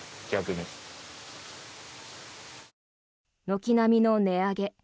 軒並みの値上げ。